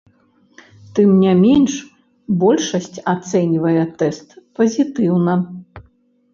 Тым не менш, большасць ацэньвае тэст пазітыўна.